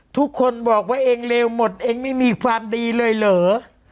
ทุกคนบอกว่าเองเลวหมดเองไม่มีความดีเลยเหรอ